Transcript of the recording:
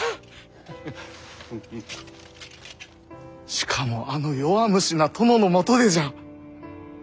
しかもあの弱虫な殿のもとでじゃ。